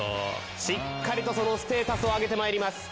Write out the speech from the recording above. しっかりとそのステータスを上げてまいります。